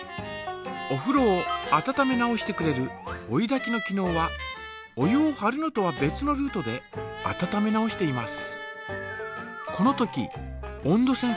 おふろを温め直してくれる追いだきの機のうはお湯をはるのとは別のルートで温め直しています。